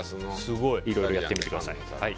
いろいろやってみてください。